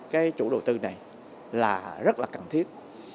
cái chủ đầu tư này là rất là cần thiết